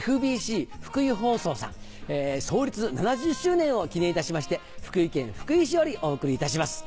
ＦＢＣ福井放送さん創立７０周年を記念いたしまして福井県福井市よりお送りいたします。